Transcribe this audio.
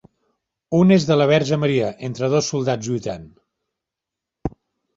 Un és de la Verge Maria entre dos soldats lluitant.